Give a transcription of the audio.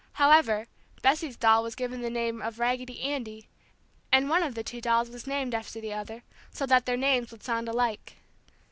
However, Bessie's doll was given the name of Raggedy Andy, and one of the two dolls was named after the other, so that their names would sound alike.